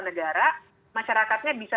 negara masyarakatnya bisa